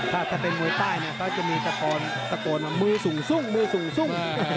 ถ้าเป็นมวยใต้นะก็จะมีตะโกนตะโกนมามือสูงสุ่งมือสูงสุ่ง